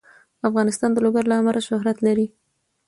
افغانستان د لوگر له امله شهرت لري.